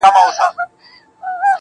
په موږ کي بند دی.